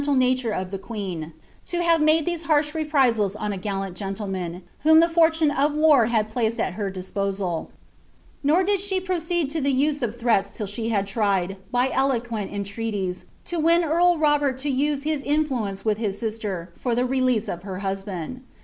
was in Ae gcntte nature of the qwecn lo have mnde these hatsli rrpnnt* on B gallant ^entletnan, whom the fonune of war had placed at her du< piieal ; nor did she proceed to the use of thrmtii liU she had ined. bv eloquent entreaties, to win eail Robert to uae his influence with hi* •■»■ In, for the release of her husband.